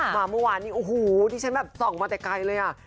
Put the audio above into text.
มาเมื่อวานอู้้หู้นี่ฉันแบบส่องมามาแต่ไกลเลยอ่ะ